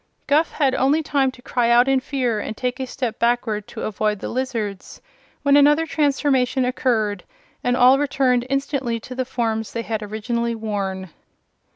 Guph had only time to cry out in fear and take a step backward to avoid the lizards when another transformation occurred, and all returned instantly to the forms they had originally worn.